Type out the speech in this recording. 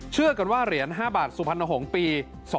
เชื่อกันว่าเหรียญ๕บาทสุพรรณหงษ์ปี๒๕๖